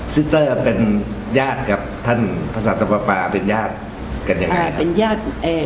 สิเตอร์เป็นญาติกับท่านพระสัตว์ธรรมปะเป็นญาติกันยังไงครับ